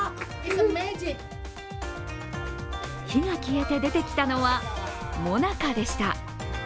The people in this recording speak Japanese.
火が消えて出てきたのはもなかでした。